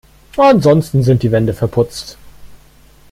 Ansonsten sind die Wände verputzt.